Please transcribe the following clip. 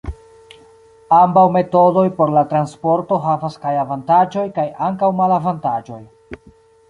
Ambaŭ metodoj por la transporto havas kaj avantaĝoj kaj ankaŭ malavantaĝoj.